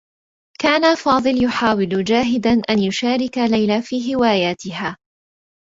كان فاضل يحاول جاهدا أن يشارك ليلى في هواياتها.